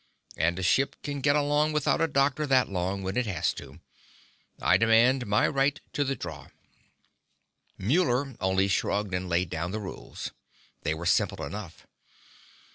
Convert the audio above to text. And a ship can get along without a doctor that long when it has to. I demand my right to the draw." Muller only shrugged and laid down the rules. They were simple enough.